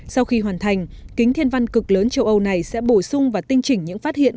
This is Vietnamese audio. sau khi hoàn thành kính thiên văn cực lớn châu âu này sẽ bổ sung và tinh chỉnh những phát hiện